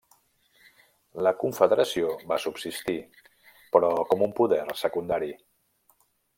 La confederació va subsistir, però com un poder secundari.